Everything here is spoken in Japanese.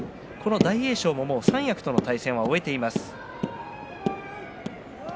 大栄翔も三役との対戦は終えています。